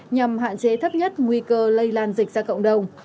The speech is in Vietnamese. nhằm hạn chế thấp nhất nguy cơ lây lan dịch ra cộng đồng